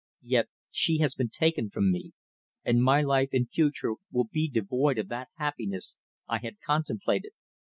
Yet she has been taken from me, and my life in future will be devoid of that happiness I had contemplated.